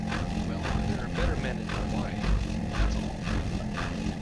Well, there are better men in Hawaii, that's all.